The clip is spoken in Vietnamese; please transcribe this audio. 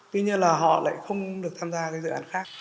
tuy nhiên là họ lại không được tham gia cái dự án khác